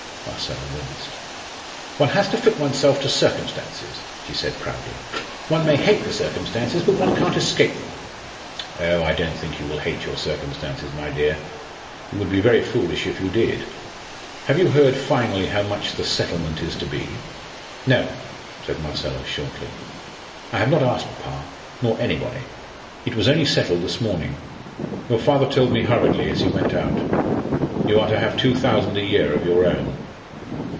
Marcella winced. "One has to fit oneself to circumstances," she said proudly. "One may hate the circumstances, but one can't escape them." "Oh, I don't think you will hate your circumstances, my dear! You would be very foolish if you did. Have you heard finally how much the settlement is to be?" "No," said Marcella, shortly. "I have not asked papa, nor anybody." "It was only settled this morning. Your father told me hurriedly as he went out. You are to have two thousand a year of your own."